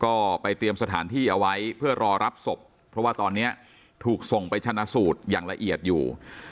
ก็ไปเตรียมสถานที่เอาไว้เพื่อรอรับศพเพราะว่าตอนนี้ถูกส่งไปชนะสูตรอย่างละเอียดอยู่